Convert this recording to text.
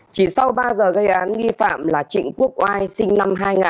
chỉ sau ba giờ gây án nghi phạm là trịnh quốc oai sinh năm hai nghìn